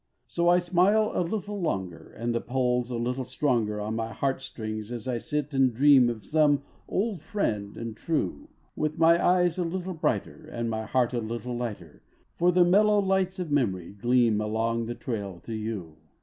S O I smile a little longer, And the pull's a little stronger On mg heart strings as I sit and ] dream of some old "friend and true °(Dith mg eges a little brighter And mg heart a little lighter, por the mellow lights OT memorij qleam Aloncj the trail to gou.